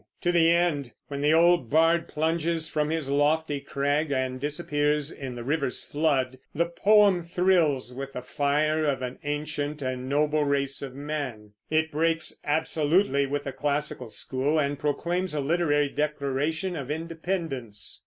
to the end, when the old bard plunges from his lofty crag and disappears in the river's flood, the poem thrills with the fire of an ancient and noble race of men. It breaks absolutely with the classical school and proclaims a literary declaration of independence.